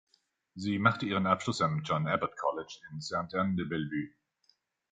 Sie machte ihren Abschluss am John Abbott College in Sainte-Anne-de-Bellevue.